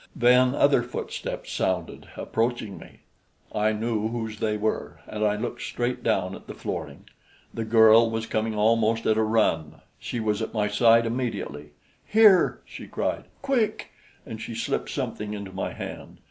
Then other footsteps sounded, approaching me. I knew whose they were, and I looked straight down at the flooring. The girl was coming almost at a run she was at my side immediately. "Here!" she cried. "Quick!" And she slipped something into my hand.